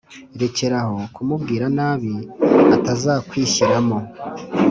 Rekeraho kumubwira nabi atazakwishyiramo